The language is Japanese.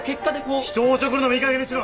人をおちょくるのもいいかげんにしろ！